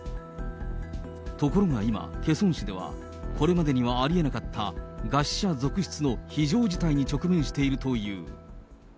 ところが今、ケソン市では、これまでにはありえなかった餓死者続出の非常事態に直面しているという。